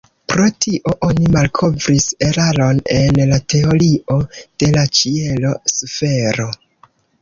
Pro tio oni malkovris eraron en la teorio de la ĉielo-sfero.